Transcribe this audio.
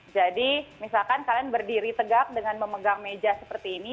jadi misalkan kalian berdiri tegak dengan memegang meja seperti ini